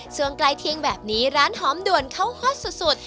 ช่วงใกล้เที่ยงแบบนี้ร้านหอมด่วนเขาฮอตสุด